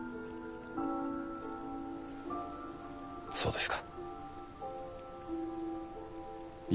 そうですか。